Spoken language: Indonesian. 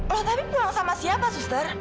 loh tapi pulang sama siapa suster